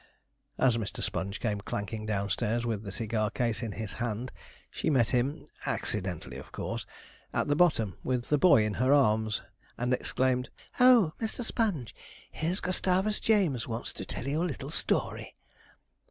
As Mr. Sponge came clanking downstairs with the cigar case in his hand, she met him (accidentally, of course) at the bottom, with the boy in her arms, and exclaimed, 'O Mr. Sponge, here's Gustavus James wants to tell you a little story.'